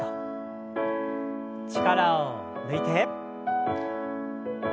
力を抜いて。